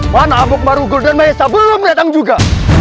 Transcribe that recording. mana abuk marugul dan maisal belum datang juga